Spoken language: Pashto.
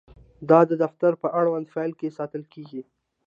دا د دفتر په اړونده فایل کې ساتل کیږي.